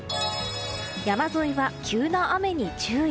山沿いは急な雨に注意。